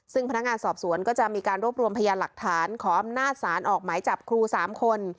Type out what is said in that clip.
ซึ่งพนักงานสอบสวนก็จะมีการรวบรวมพยานหลักฐานขออำนาจศาลออกหมายจับครู๓คน